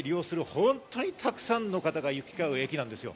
本当にたくさんの方が行き交う駅なんです。